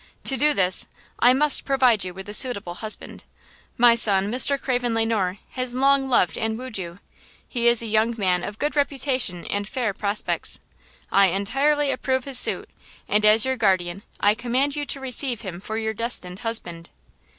To do this, I must provide you with a suitable husband. My son, Mr. Craven Le Noir, has long loved and wooed you. He is a young man of good reputation and fair prospects. I entirely approve his suit, and as your guardian I command you to receive him for your destined husband."